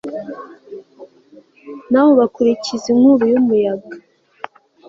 nawe ubakurikize inkubi y'umuyaga